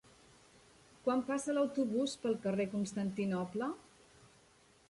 Quan passa l'autobús pel carrer Constantinoble?